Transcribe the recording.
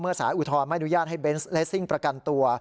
สายอุทธรณไม่อนุญาตให้เบนส์เลสซิ่งประกันตัว